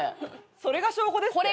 これが証拠です。